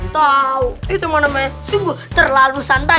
tau itu mana maksudnya sungguh terlalu santai